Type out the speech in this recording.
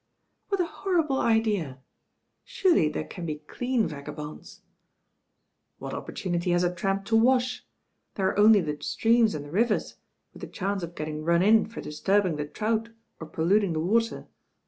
"What a horrible idea. Surely there can be clean vagabonds." "What opportunity has a tramp to wash ? There are only the streams and the rivers, with the chance of getting run in for disturbing the trout or pollut ing the water.